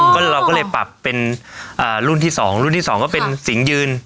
ก็เราก็เลยปรับเป็นรุ่นที่สองรุ่นที่สองก็เป็นสิงหยืน